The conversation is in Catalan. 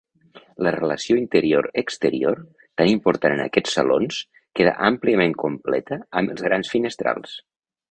La relació interior-exterior, tan important en aquests salons, queda àmpliament completa amb els grans finestrals.